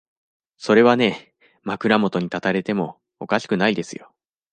それはね、枕元に立たれてもおかしくないですよ。